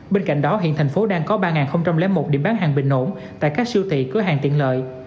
bên cạnh đó hiện thành phố đang có ba một điểm bán hàng bình ổn tại các siêu thị cửa hàng tiện lợi